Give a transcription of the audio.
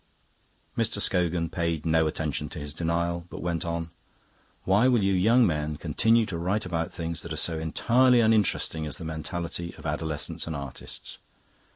Mr. Scogan paid no attention to his denial, but went on: "Why will you young men continue to write about things that are so entirely uninteresting as the mentality of adolescents and artists?